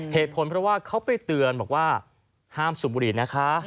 เหตุผลเพราะว่าเขาไปเตือนบอกว่าห้ามสูบบุหรี่นะคะ